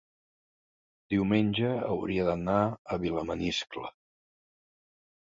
diumenge hauria d'anar a Vilamaniscle.